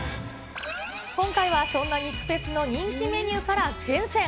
今回はその肉フェスの人気メニューから厳選。